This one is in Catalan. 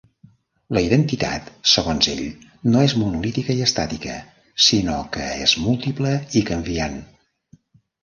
La identitat, segons ell, no és monolítica i estàtica; sinó que és múltiple i canviant.